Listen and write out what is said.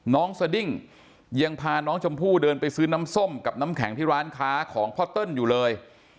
สดิ้งยังพาน้องชมพู่เดินไปซื้อน้ำส้มกับน้ำแข็งที่ร้านค้าของพ่อเติ้ลอยู่เลย